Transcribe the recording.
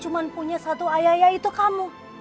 cuman punya satu ayah ayah itu kamu